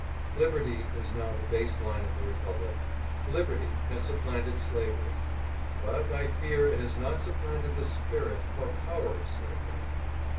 Liberty is now the base line of the Republic. Liberty has supplanted slavery, but I fear it has not supplanted the spirit or power of slavery.